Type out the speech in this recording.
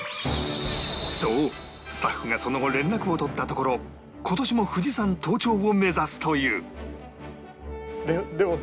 そうスタッフがその後連絡を取ったところ今年も富士山登頂を目指すというでもさ